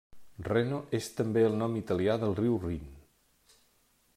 Reno és també el nom italià del riu Rin.